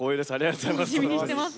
ありがとうございます。